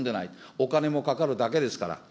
お金もかかるだけですから。